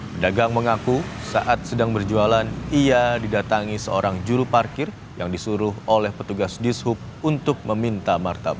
pedagang mengaku saat sedang berjualan ia didatangi seorang juru parkir yang disuruh oleh petugas dishub untuk meminta martabat